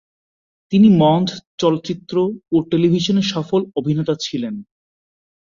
তিনি মঞ্চ, চলচ্চিত্র ও টেলিভিশনে সফল অভিনেতা ছিলেন।